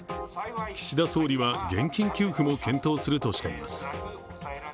岸田総理は現金給付も検討するとしています。